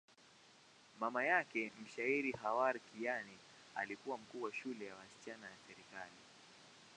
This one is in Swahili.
Mama yake, mshairi Khawar Kiani, alikuwa mkuu wa shule ya wasichana ya serikali.